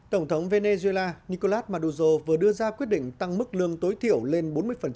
tổng thống venezuela nicolás maduro vừa đưa ra quyết định tăng mức lương tối thiểu lên bốn mươi